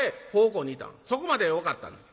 そこまではよかったんや。